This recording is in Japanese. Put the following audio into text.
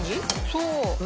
そう。